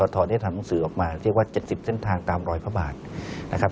ได้ทำหนังสือออกมาเรียกว่า๗๐เส้นทางตามรอยพระบาทนะครับ